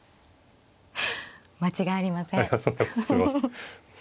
間違いありません。